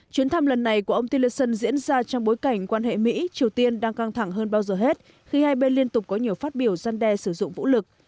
chuyến thăm lần này của ông teleson diễn ra trong bối cảnh quan hệ mỹ triều tiên đang căng thẳng hơn bao giờ hết khi hai bên liên tục có nhiều phát biểu gian đe sử dụng vũ lực